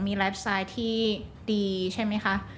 มีไลฟ์ไซต์ที่ดีใช่มั้ยคะ